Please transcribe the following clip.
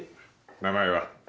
名前は？